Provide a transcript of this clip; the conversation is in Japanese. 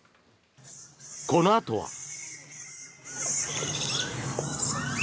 このあとは。